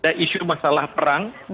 ada isu masalah perang